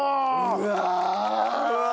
うわ！